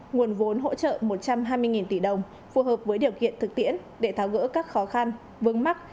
nguồn vốn hỗ trợ một trăm hai mươi tỷ đồng phù hợp với điều kiện thực tiễn để tháo gỡ các khó khăn vướng mắt